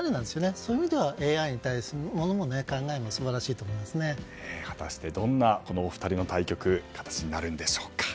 そういう意味ではＡＩに対する果たしてどんなお二人の対局になるんでしょうか。